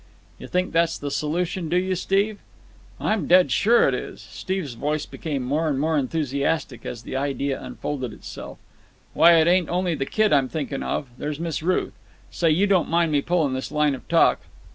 "You think that's the solution, do you, Steve?" "I'm dead sure it is." Steve's voice became more and more enthusiastic as the idea unfolded itself. "Why, it ain't only the kid I'm thinking of. There's Miss Ruth. Say, you don't mind me pulling this line of talk?"